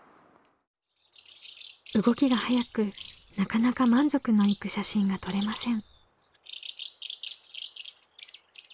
動きが速くなかなか満足のいく写真が撮れません。